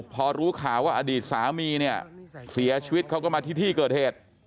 พอรู้ข่าวว่าอดีตสามีเนี่ยเสียชีวิตเขาก็มาที่ที่เกิดเหตุ